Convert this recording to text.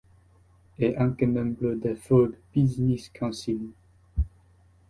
È anche membro del "Forbes" Business Council.